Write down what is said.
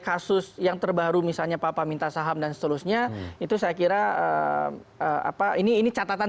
kasus yang terbaru misalnya papa minta saham dan seterusnya itu saya kira apa ini ini catatan